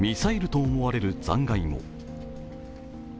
ミサイルと思われる残骸も。